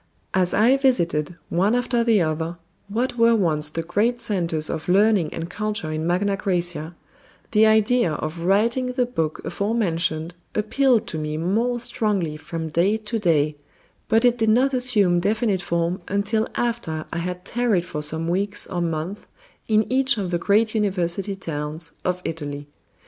As I visited, one after the other, what were once the great centers of learning and culture in Magna Græcia, the idea of writing the book aforementioned appealed to me more strongly from day to day, but it did not assume definite form until after I had tarried for some weeks or months in each of the great university towns of Italy.